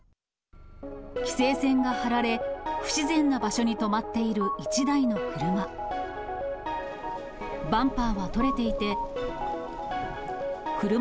規制線が張られ、不自然な場所に止まっている１台の車。